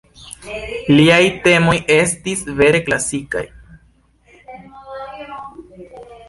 Liaj temoj estis vere klasikaj.